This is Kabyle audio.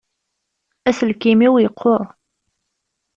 Aselkim-iw yeqquṛ.